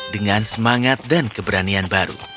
dengan semangat dan keberanian baru